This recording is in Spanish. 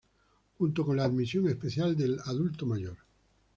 Junto con la comisión especial del Adulto Mayor.